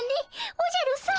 おじゃるさま。